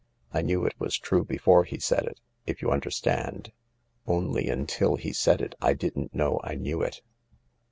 I knew it was true before he said it, if you understand only until he said it I didn't know I knew it."